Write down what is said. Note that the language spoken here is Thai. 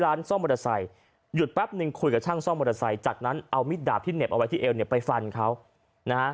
ร้านซ่อมมอเตอร์ไซค์หยุดแป๊บนึงคุยกับช่างซ่อมมอเตอร์ไซค์จากนั้นเอามิดดาบที่เหน็บเอาไว้ที่เอวเนี่ยไปฟันเขานะฮะ